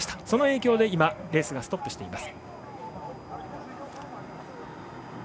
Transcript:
その影響でレースがストップしています。